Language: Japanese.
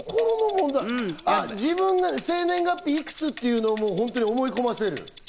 自分が生年月日いくつっていうのを思い込ませる。